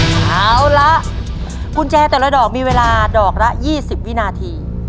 เอาละกุญแจแต่ละดอกมีเวลาดอกละ๒๐วินาที